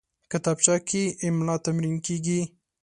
کتابچه کې املا تمرین کېږي